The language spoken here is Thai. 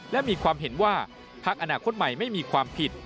และมีความเห็นว่าพักอนาคตใหม่ไม่มีความผิด